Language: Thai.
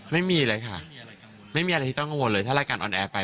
ไม่มีเลยค่ะไม่มีอะไรที่ต้องกังวลเลยถ้ารายการออนแอร์ไป